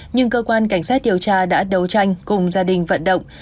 nhưng cơ quan cảnh sát điều tra đã đấu tranh cùng gia đình vận động